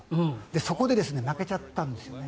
そこで負けちゃったんです。